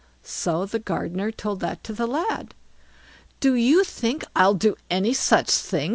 So the gardener told that to the lad. "Do you think I'll do any such thing?"